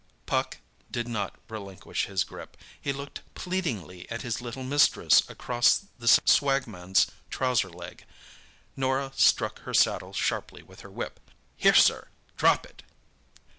Puck did not relinquish his grip. He looked pleadingly at his little mistress across the swagman's trouser leg. Norah struck her saddle sharply with her whip. "Here, sir!—drop it!"